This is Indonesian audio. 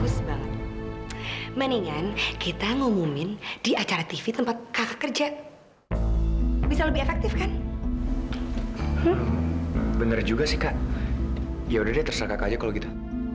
sampai jumpa di video selanjutnya